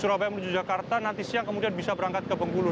surabaya menuju jakarta nanti siang kemudian bisa berangkat ke bengkulu